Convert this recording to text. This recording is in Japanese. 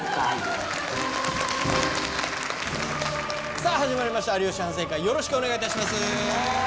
さぁ始まりました『有吉反省会』よろしくお願いいたします。